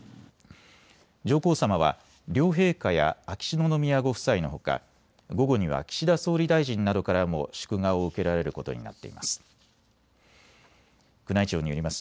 上皇さまは両陛下や秋篠宮ご夫妻のほか午後には岸田総理大臣などからも祝賀を受けられることになっています。